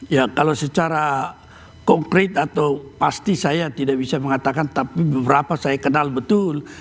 ya kalau secara kompret atau pasti saya tidak bisa mengatakan tapi beberapa saya kenal betul